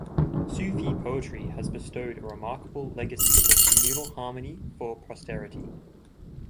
Sufi poetry has bestowed a remarkable legacy of communal harmony for posterity.